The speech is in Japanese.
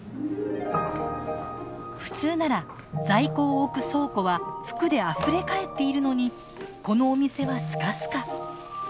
普通なら在庫を置く倉庫は服であふれかえっているのにこのお店はスカスカ。